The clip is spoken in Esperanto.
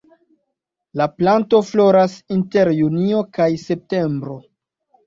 La planto floras inter junio kaj septembro.